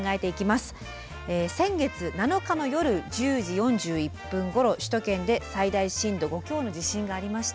先月７日の夜１０時４１分ごろ首都圏で最大震度５強の地震がありました。